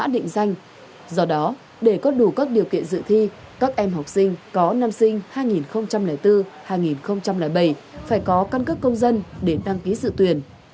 đó để có đủ các điều kiện dự thi các em học sinh có năm sinh hai nghìn bốn hai nghìn bảy phải có căn cước công dân để đăng ký dự tuyển